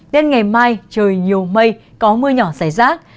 đến ngày mai trời nhiều mây có mưa nhỏ rải rác